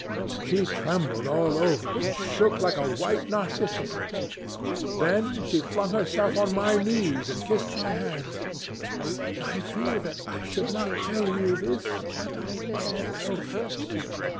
She trembled all over and shook like a white narcissus. Then she flung herself on her knees and kissed my hands. I feel that I should not tell you all this, but I can't help it.